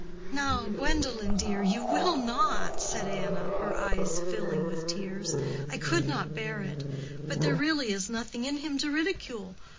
"Now, Gwendolen, dear, you will not?" said Anna, her eyes filling with tears. "I could not bear it. But there really is nothing in him to ridicule.